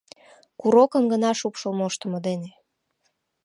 Курокым гына шупшыл моштымо дене